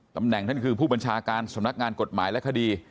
ตำแหน่งท่านคือผู้บัญชาการสำนักงานกฎหมายและคดี